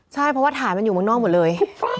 ใช่เพราะว่าฐานมันอยู่เมืองนอกหมดเลย